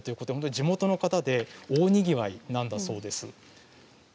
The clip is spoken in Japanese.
地元の方で大にぎわいだそうです。